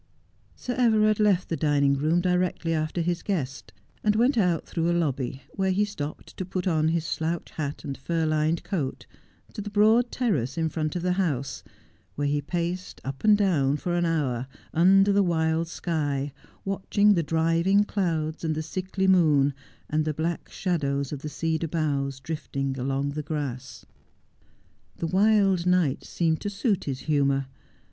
Sir Everard left the dining room directly after his guest, and went out through a lobby, where he stopped to put on his slouch hat and fur lined coat, to the broad terrace in front of the house, where he paced up and down for an hour under the wild sky, watching the driving clouds and the sickly moon, and the black shadows of the cedar boughs drifting along the grass. The wild night seemed to suit his humour.